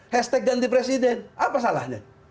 hashtag ganti presiden apa salahnya